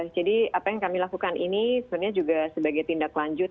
jadi apa yang kami lakukan ini sebenarnya juga sebagai tindak lanjut